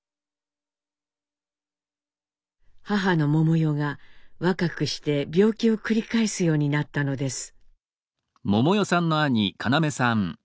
母の百代が若くして病気を繰り返すようになったのです。